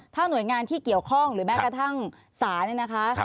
ถ้าหน่วยงานที่เกี่ยวข้องหรือแม้กระทั่งศาลเนี่ยนะคะ